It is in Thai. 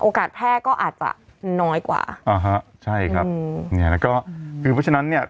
แพร่ก็อาจจะน้อยกว่าอ่าฮะใช่ครับเนี่ยแล้วก็คือเพราะฉะนั้นเนี่ย